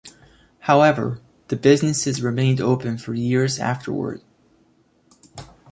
However, the business remained open for years afterward.